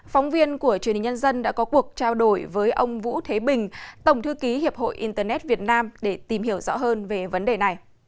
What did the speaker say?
phóng viên của truyền hình nhân dân đã có cuộc trao đổi với ông vũ thế bình tổng thư ký hiệp hội internet việt nam để tìm hiểu rõ hơn về vấn đề này